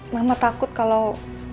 mama takut kalau